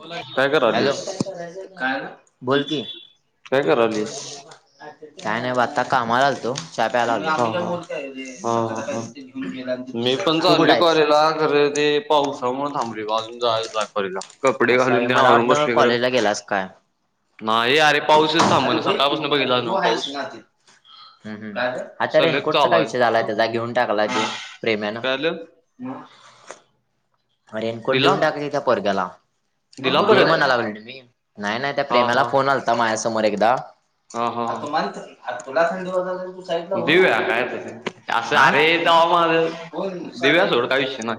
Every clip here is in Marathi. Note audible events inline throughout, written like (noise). बोला की वो काय करालीस हॅलो बोल की काय करालीस? काय नाय ब आत्ता कामाला आल्तो च्या प्यायला आलो. हा हा हा हा मी पण चाल्लोय कॉलेजला खरं ते पाऊसा मुळं थांबलोय बा अजून जायचं कॉलेजला. कपडे असं आहे घालून देण मला आवरून वाटलं बसलोय खरं, कॉलेजला गेलास नाय अरे पाऊसच् अरे व्हय की, तु हायस ना तीथ् हम् हम आता सलग रेनकोटचा चालू काय आहे विषय झालाय थांब त्याचा घेऊन टाकलाय तो? प्रेम्यानं. काय झालं रेनकोट दिला देऊन टाक की त्या पोरग्याला दिला दे परत म्हणा लागलो रे मी. नाय नाय त्या हा प्रेम्याला हा फोन आल्ता मायासमोर एकदा. हा हा तो माणीत आरं तुला थंडी वाजाय लागली (unintelligible) हो ना देऊया काय आता ते असं अरे तवा माझं देऊया सोड काय (inaudible) विषय नाही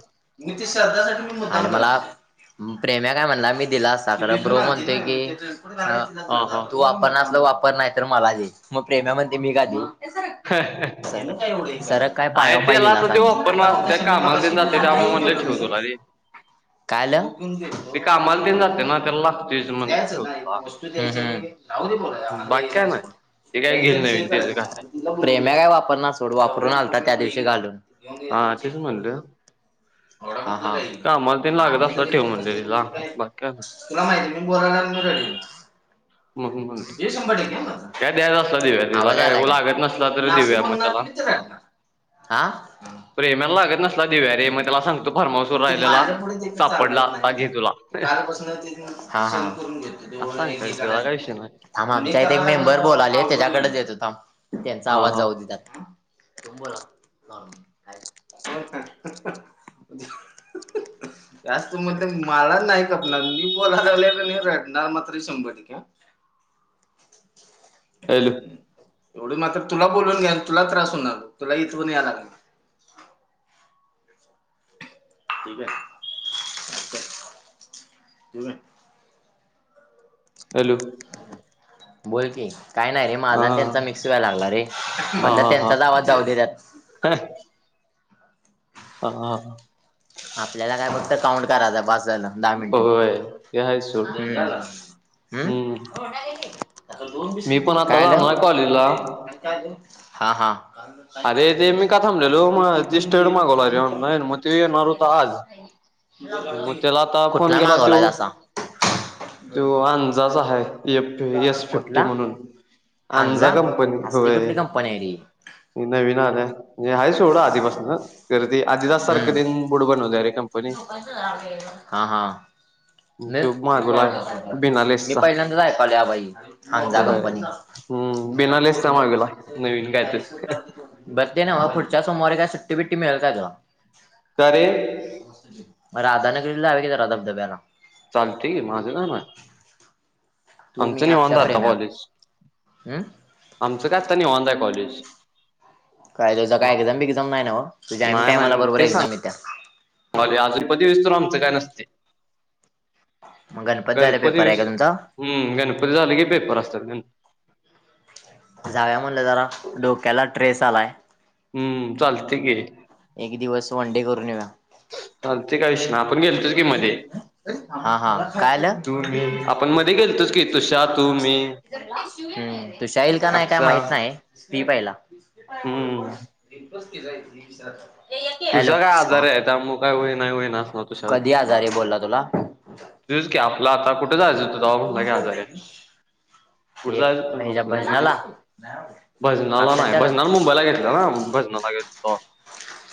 श्रध्धासाठी म्हणुन (unintelligible) प्रेम्या काय म्हणला मी दिला असता खरं, ब्रो म्हणतोय की हा हा तू वापरणा आसलं वापर नाय तर मला दे म प्रेम्या म्हणते मी का दिऊ. काय हाय पायावर पाय तेला त दिलासा त्यो आणि वापरणारस् मी कामाल मगाशी तेन जाते त्यामु म्हणलं ठेव तुला रे. कायलं ऊचलुन घेतो ते कामाला तेन आणि जाते ना त्याला लागतोयच म्हणलं द्यायचं ठेव नाय तुला वस्तु द्यायची रे राहु दे बोलाया बाकी काय नाही. ते काय घेईल नवीन (unintelligible) त्याचं करायच. काय आहे प्रेम्या काय वापरणा सोड वापरून आल्ता त्या दिवशी घालून हा तेच म्हणलं. हां हां कामाला तेन लागत आम्ही असला जरी ठेव करत म्हणलं असतं तर तिला मग काय बाकी नाही तुला मायती मी बोलाय लागलो मी रडवीन हे शंभर टक्के माझा. द्याय अस देऊ्या तिला आवाज काय आलाय लागत नसल तर मी असं देऊया म बोलणार की त्याला. विचार राणार हा हा प्रेम्याल लागत नसला देऊया रे ठीक म आहे त्याला सांग् मग ते माझ्या पुुढे तेचं एक चालत नाय आता घे तुला. न कालपसनं तेनं सहन करून घेतो. असं सांगता येतंय त्याला काय विषय नाही (unintelligible) आम आमच्या इथ एक मेंबर बोलाले त्याच्याकडेच देतो थांब त्यांचा हा आवाज हा जाऊ देतात तुम बोला (unintelligible) (unintelligible) जास्त म्हट मला नाही खपणार मी बोलायला लागलोय का नाय रडणार मात्र शंभर टक्के आं (inaudible) हॅलो. एवढे मात्र तुला बोलून घ्याल तुला त्रास हुणार तुला इथवून याय लागणा ठीकाय (unintelligible) हॅलो. बोल की काय नाय रे हा माझा आण त्यांचा मिक्स व्हाय लागला रे, हा म्हणलं हा हा त्यांचाच आवाज जाऊ दे त्यात हा. हा हा. आपल्याला काय फक्त काउंट करायचा बास झालं. (unintelligible) हम् होय ते आहे सोड हम्म मी पण आता कायलं? जाणार कॉलेजला. आणी काय अजुन? हा हां. अरे ते मी का थांबलेलो म ते स्टेंड मागवला रे ऑनलाईन, म ते येणार होतं आज. म त्याला आता फोन कुठला केला त्यो मागवलाय असा तो अंजाचा हाय, एफ् एस फिफ्टी कुठला म्हणून. आंनझा हांजा कंपनीच, असली व्हंय. कुठली कंपनी आहे रे ती नवीन आल्या म्हणजे आहे सोडा आधीपासनं तर ते आधी दास हम्म सारखं त्यानी कुडं बनवलंय रे कंपनी हा -हा, न त्यो मागवलाय बिना मी लेसचा. पहिल्यांदाच ऐकालाय बाई अनंझा होय कंपनी. हम्म म्हणे हा बिना लेसचा मागवलाय नवीन काय तर. बोलण्याेक्षयरशवर (unintelligible) बरं ते ना व पुढच्या समवारी काय सुट्टी- बिट्टी मिळेल का जॉब? का रे? म राधाने कलेला आ ग राधा दब्याला. (unintelligible) चालतेय कि माझं काय नाही बा-' तू मी आमचं अक्षा निवांत आता प्रेम्या कॉलेज, हम्म आमचं काय आत्ता निवांत आहे आता कॉलेज. काय तुझ का एक्झम -बिक्झाम नाही ना व? तुझ्या आइम टाईमला बरोबर एक्झाम येत्या. मले अजून कधी विस्तारू आमचं काय नसते. मग गणपत झाले पेपर आहे गणपतीवीस, का तुमचा हम् गणपती झाले की पेपर आसत्यात गण जाऊया म्हणलं जरा, डोक्याला ट्रेस आलाय. हम्म, चालते कि एक दिवस वन-डे करून येऊ्या. चालते का शाह ना आपण गेलतोच की मध्ये हा हा काय आलं? तु, मी-' आपण मध्ये गेलंतोच की तो शाह, तू- मी. हम्म, तुषा येईल का नाही, काय अक्षा माहित नाही. सी पाहिला हम्म. तुषा लैय आजार आहे, त्यामुळं काय होई नाही, होई नाही असं होतं. कधी आजारी आहे, बोलला तुला? तेच की, आपला आता कुठे जायचं होत? कुठं ते जायचं होतं मग हेच्या आपल्याला मधी? भजनाला भजनाला नाही, अक्षांच्या भजनाला घरी मुंबईला गेलंता ना, भजनाला गेलंतो तेव्हा.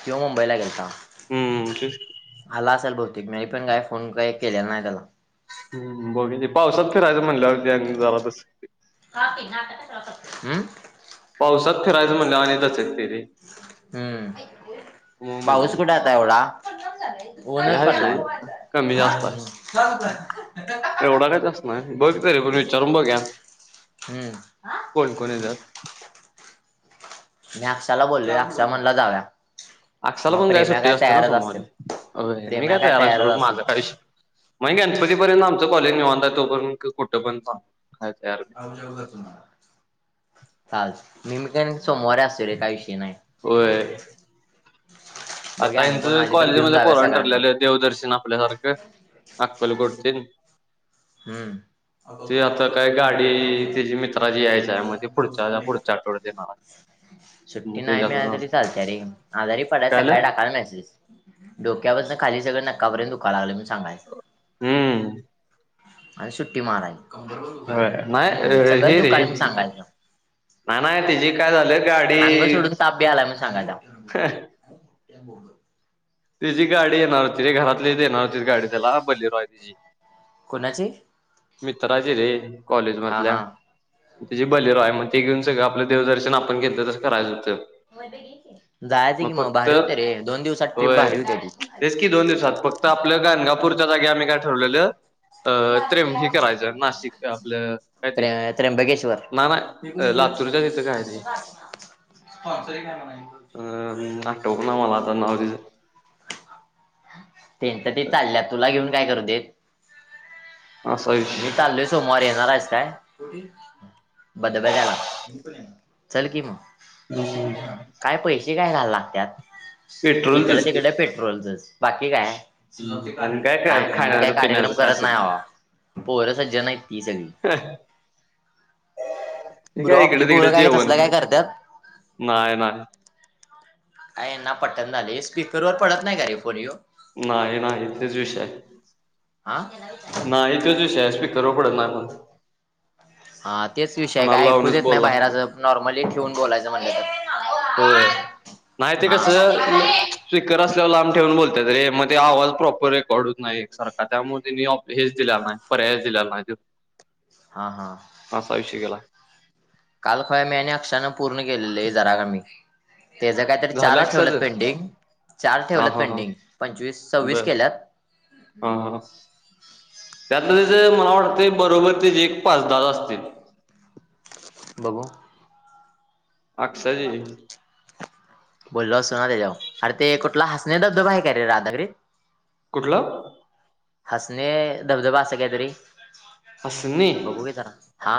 किंवा मुंबईला गेलंता. हम्म तेच की आला आसलं बहुतेक, मी पण काय फोन काही केलेला नाही त्याला. हम्म, बघ पावसात फिरायचं म्हणल्यावरती जावातच हम्म, पावसात फिरायचं म्हणलं आणि तचे त येते रे. हम्म, मग पाऊस म्हणलं कुठे आता एवढा? ते ऊन आहे पडलाय, सोड कमी जास्त हम्म. आहे एवढा काचस नाही बघ तरी पण विचारून बघुया. हम्म, कोण-कोण येत्यात. मी आक्षाला बोललो ये, अक्षा म्हणला जाऊया. अक्षाला मग पण काय प्रेम्या सुट्टी असते ना तयारच असेल सोमवारीे, मी काय तयारच ये माझा काय विषय मी या गणपती पर्यंत आमचं कॉलेज निवांत आहे, तो पर्यंत कुठं पण चाल काहीच हारकत नाही. चालं निमक रे सोमवार असते रे काही श (unintelligible) नाही, होय बघूया आता आणि कोण यांचं आली तर घेऊन कॉलेजमध्ये जाऊया पोराण सगळ्यांना ठरलेलं आहे, देवदर्शन आपल्यासारखं अक्कलकोट चे हम्म, ते आता काय गाडी त्याची मित्राची घ्यायची आहे, मं ते पुढच्या च्या पुढच्या आठवड्यात येणार आहे. मग ''सुट्टी ते नाही जात मिळाली तरी चालते अ रे, आजारी पडा काय झालं सकाळी टाकाल मेसेज, डोक्या वरुन खाली सगळं नकापय दुखव लागलं म सांगाय हम्म आणि सुट्टी होय मारायची, सगळं दुकाने म सांगायच. ना, नाही तची काय झालंय अंग गाडी सोडून ताप बी आलाय म्हणून सांगायचा. (inaudible) तिचीी गाडी येणार होती रे, घरातलीच येणार होती गाडी त्याला बलेर आहे तिी कोणाची? ''मित्राची रे'' कॉलेज हा मधल्या, हा त्याची बोलेरो आहे मग, ते घेऊन सगळं आपलं देवदर्शन आपण घेतलं, तसं करायच होतं 'जायचं कि मग भारी होते रे', दोन दिवसात ट्रिप होय भारी होते की दोन दिवसात फक्त, आपल्याला गणगापूरच्या जागेवर आम्ही काय ठरवलेलं अ--''त्रंबकेश्वर करायचं'', नाशिक आपलं काय ते त्र्य त्र्यंबकेश्वर ना ना ''अ लातूरच्या तिथं काय ते''? स्पॉन्सर का नाही अं आठवक ना मला आता, नाव तिचं ते तरी चालल्या तुला घेऊन काय करतील? आस मी चाललोय सोमवारी येणार आहेस का? (inaudible) चल कि मग, हम्म. काय पैसे काय येणार लागत्यात ''इकड पेट्रोलचंच की तिकड पेट्रोलचच'' बाकी काय हम्म. आणि काय मी काय खाण्याचं कार्यक्रम पिण्याचं काय करत असेल नाही भावा, पोरं सज्जन आहेत ही सगळी ते ''ब्रो काय आपली इकडे तिकडे पोरं काय जेवण तसंल काय करत्यात''? (unintelligible) काय हे ना पटेना झालेय स्पीकर वर पडत नाही का रे पोरिहो हो? नाही नाही तोच विषय आहे. हा नाही तोच विषय आहे स्पीकर वर पडत नाही फोन. 'हा तेच विषय आहं कानाला काय ऐकूच लावूनच येत बोलाय नाही', लागतंय बाहेर नॉर्मली ठेवून बोलायच म्हणलं होय. तर नाही ते हा कसं ल ''स्पीकर असल्यावर लांब ठेवून बोलत्यात रे'', मग ते आवाज प्रॉपर रेकॉर्ड होत नाही एक सारखा, त्यामुळे त्यानी हेच दिलेला नाही, पर्यायच दिलाला नाही तो हा हा असा विषय केलाय. काल, पाय म्या आणि आक्षानं पूर्ण केलेलं जरा कमी हेज काय तर, झालं चारच ठेवल्यात अक्षाचं? पेंडिंग चार हा ठेवल्यात हा हा पेंडिंग, पंचवीस सव्वीस बर केल्यात. त्यातल तेझ मला वाटतंय, बरोबर तेची पाच दाह असतील. बघू अक्षाचे (unintelligible) ''बोललो असतो ना त्याच्यावर'' अरे ते कुठला हसणे धबधबा आहे का रे, राधानगरीत? कुठलं? हसणे 'धबधबा असं काहीतरी', हसणे ''होय दादा'' हा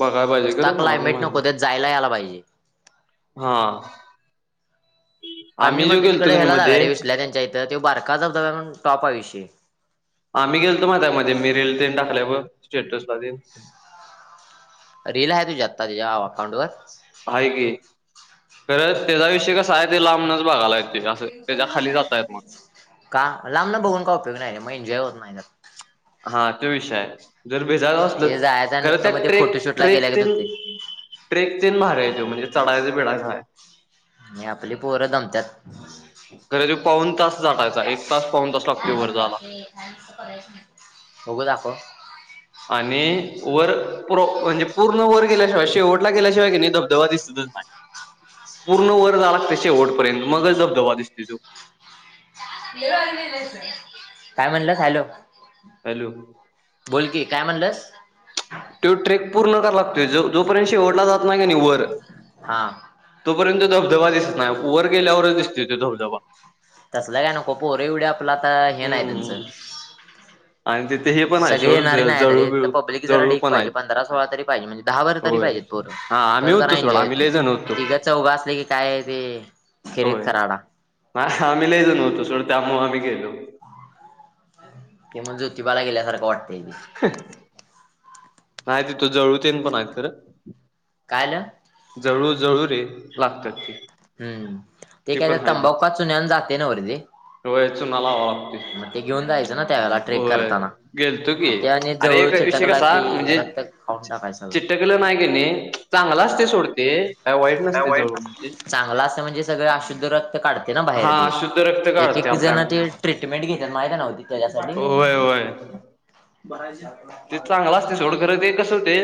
बघाय पाहिजे नुसता खरं मला पण क्लायमेट माहित नाही नको, त्यात जायला आला पाहिजे. हा! काल मी आम्ही जो म्हणतोय गेलतो तिकडं की नाही हेला जानार मध्ये रे विशल्या त्यांच्या इथं त्यो बारका धबधब्यां म्हणून टॉप आहे विषय. आम्ही गेलतो माहिती आहे मधे, मी रील तेनं टाकलय बघं स्टेटसला तेन रील आहे तुझी आत्ता तेच्या अकाउंटवर आहे की! खरं तेचा विषय कसा आहे ते लांबनच बघायला येते असं, त्याच्या खाली जाता येत ना. का लांबन बघून काय उपयोग नाही रे, म एनजॉय होत नाही नां. हा त्यो विषय आहे. जर भिजायचं ते असलं जायचं खरं नुसतं त्या मग ते फोटोशूटला ट्रेक-ट्रेक गेल्यागत तेण होतंय. ट्रेक तेन भारी आहे त्यो म्हणजे, चढायचं बीडायचं आहे. आणि आपली पोरं दमत्यात. खरं त्यो पाऊन तास झाटायचा, एक तास पाऊन तास लागतोय वर जायाला. (unintelligible) बघू दाखवं. आणि वर पूर म्हणजे पूर्ण वर गेल्याशिवाय शेवटला गेल्याशिवाय कणी धबधबा दिसतच नाही. (unintelligible) पूर्ण वर जायाला लागतंय शेवटपर्यंत मगच धबधबा दिसत्योय त्यो. काय म्हणलात हॅलो! हॅलो! बोल की काय म्हणलंस? तो ट्रेक पूर्ण करायला लागतोय जो-जोपर्यंत शेवटला जात नाही कणी वर हा तोपर्यंत धबधबा दिसत नाही वर गेल्यावरच दिसतोय त्यो धबधबा. तसलं काय नको पोर एवढी आपलं आता हे नाही हम्म त्यांच. आणि ते. सगळे येणारी नाहीत रे त पब्लिक जरा जळू ढीक पण पाहिजे, आहेत. पंधरा सोळा तरी पाहिजे म्हणजे दहा वर तरी होय पाहिजेत. त्वर हा आम्ही तर जरा होतो सोड एन्जॉय आम्ही येतेय, लय जण होतो तिगं चौघ असले की काय ते खेरीत होय. कराडा. आम्ही लय जण होतो सोड त्यामुळे आम्ही गेलो. ते म ज्योतिबाला गेल्यासारखं वाटतंय ते. (unintelligible) नाही तीत जळूतेन पण आहेत खरं. कायल. जळू-जळू रे लागत्यात ते. हूं ते ती काय पण तर हाय तंबाकू तिथं आन चुन्या हुन जाते ना वरती. होय चुना लावावा लागतोय म ते घेऊन जायचं ना त्यावेळेला ट्रेक होय करताना, गेलतो की अनं त्यानी अरे जवळु एक विषय चीटकला की रक्त खाऊन टाकाय सगळं. तील नाही किनी चांगलाचते सोडते. काय वाई, चांगलं असं म्हणजे सगळे अशुद्ध रक्त काढते ना बाहेर हा ते. शुद्ध रक्त याची काढते किती आपल्या जण अंगात. ते ट्रीटमेंट घेत्यात माहित ये नव्ह ती होय होय त्याच्यासाठी. बरायची. ते चांगलं असते सोडखरं ते कस होते,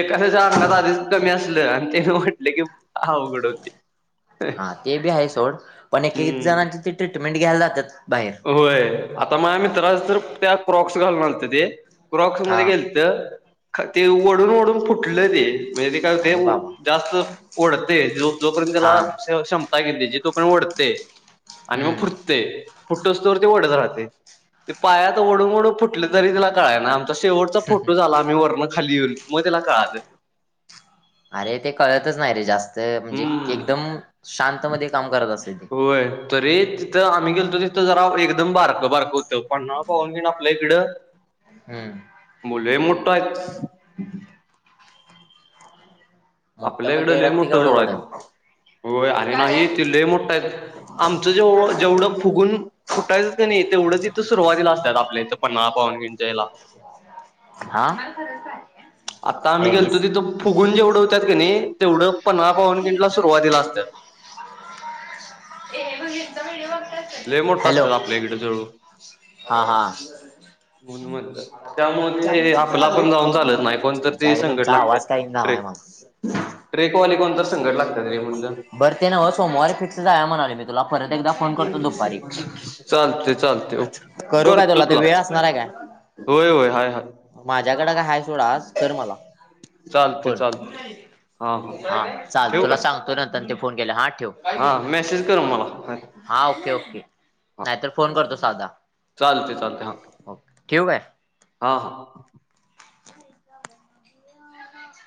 एखाद्याच्या अंगात आधीच कमी असल आणि म्हटले कि अवघड. होते हा ते बी आहे सोड पण (unintelligible) हम्म जणांची ती ट्रीटमेंट घ्यायला जात्यांत बाहेर. होय आता माह्या मित्रसं तर त्यात क्रॉक्स घालून अलथे ते. क्रॉक्स हा मध्ये गेलतं, ते वढून वढून फुटलं ते. वेदी काय होतय अरे बाबा जास्त ओढते जो-जोपर्यंत त्याला हा श-क्षमं काय केलं ची तो पण ओढते आणि मग हम्म फुटते. फुटोसतोवर ते ओढत राहते. ते पायात ओढून ओढून फुटल तरी तिला कळाय नाही. तो शेवटचा फोटो झाला. आम्ही वरण खाली येऊन मग त्याला कळाल. अरे ते कळतच नाही रे जास्त, म्हणजे हम्म एकदम शांत मध्ये काम करायचं असते ते. होय. तरी तिथं आम्ही गेलतो. तिथं जरा एकदम बारकं बारकं होतं. पन्हाळ पाहून तेन आपल्या इकडं हम्म. मु लय मोठं आहेत. (unintelligible) मोठं आपल्या मग इकड ते लय रक्त मोठं केवढं जोळ वढल आहेत. होय. आणि नाहीत ते लय मोठ आहेत. आमचं जेवढ जेवढं फुगून. फुटायचंच कनी. तेवढं तिथ सुरुवातीला असतात आपल्या इथं पन्हाळा पावनखिंड च्या हेला. अ (unintelligible) हा. आता आम्ही हे गेलतो हीच तिथं. फुगुन जेवढं होत्यात कणी तेवढं पन्हाळा पावनखिंड ला सुरुवातीला असत्यात. ए आय हेचा व्हिडिओ बघतात. लय मोठ असत्यात आपल्या इकडे जळू. हा हा. म्हणून म्हणलं. त्यामुळे चहा ते तेन पिला आपला का पण जाऊन चालत नाही कोणतर ते भाऊ? संकट तुमचा लागत्यात. आवाज काही ना. ट्रेक ट्रेकवाले कोणतर संगट लागतात रे म्हणल. बरं ते नव्ह सोमवारी फिक्स जाऊया म्हणाय लागल्यात. तुला परत एकदा फोन करतो दुपारी. चालतंय चालतंय करू काय तुला. ते वेळ असणार आहे काय? होय होय हाय हाय माझ्याकडें काय हाय सोड आज कर मला चालतंय फोन. चालतंय हा. चालते तुला सांगतो नंतरन ते फोन केलावर हां ठेव. हा मेसेज कर मला. हा ओके ओके. नाहीतर फोन करतो साधा. चालतय चालतय हां. ठेऊ काय? हां हां.